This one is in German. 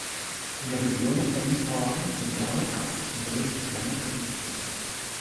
In der Region um Elmshorn sind Graue Erbsen ein Gericht mit langer Tradition.